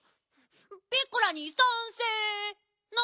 ピッコラにさんせい。な？